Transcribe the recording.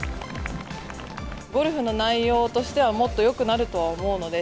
ゴルフの内容としては、もっとよくなるとは思うので、